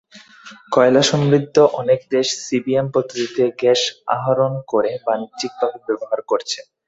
কয়লাসমৃদ্ধ অনেক দেশ সিবিএম পদ্ধতিতে গ্যাস আহরণ করে বাণিজ্যিকভাবে ব্যবহার করছে।